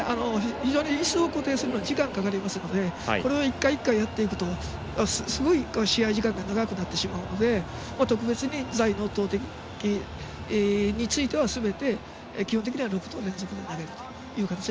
非常に、いすを固定するのに時間がかかりますのでこれは１回１回やっていくとすごい試合時間が長くなっていくので特別に座位の投てきについてはすべて、基本的には６投連続で投げます。